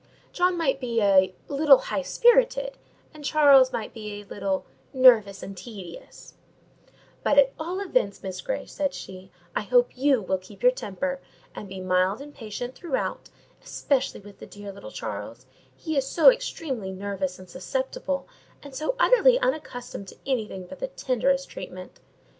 John might be a "little high spirited," and Charles might be a little "nervous and tedious—" "But at all events, Miss Grey," said she, "I hope you will keep your temper, and be mild and patient throughout; especially with the dear little Charles; he is so extremely nervous and susceptible, and so utterly unaccustomed to anything but the tenderest treatment.